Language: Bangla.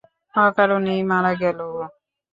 অকারণেই মারা গেল ও।